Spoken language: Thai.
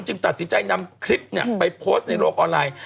ตัดสินใจนำคลิปไปโพสต์ในโลกออนไลน์